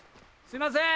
すいません